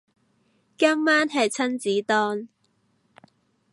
今晚係親子丼